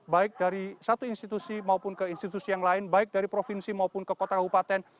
baik dari satu institusi maupun ke institusi yang lain baik dari provinsi maupun ke kota kabupaten